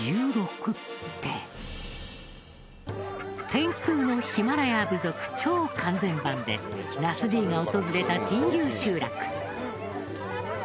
「天空のヒマラヤ部族超完全版」でナスＤが訪れたティンギュー集落。